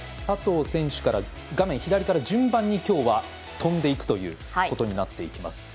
佐藤選手から画面左から順番にきょうは飛んでいくということになっていきます。